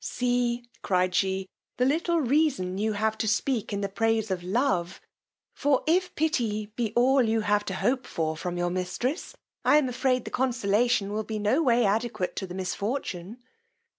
See, cried she, the little reason you, have to speak in the praise of love; for if pity be all you have to hope for from your, mistress, I am afraid the consolation will be no way adequate to the misfortune.